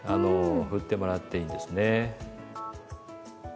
振ってもらっていいですね。